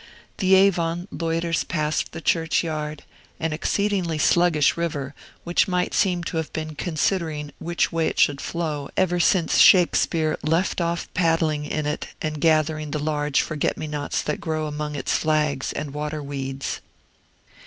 The Avon loiters past the churchyard, an exceedingly sluggish river, which might seem to have been considering which way it should flow ever since Shakespeare left off paddling in it and gathering the large forget me nots that grow among its flags and water weeds.